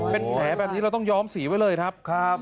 เป็นแผลแบบนี้เราต้องย้อมสีไว้เลยครับ